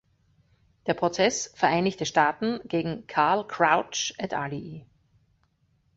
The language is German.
Der Prozess Vereinigte Staaten gegen Carl Krauch et al.